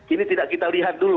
ini tidak kita lihat dulu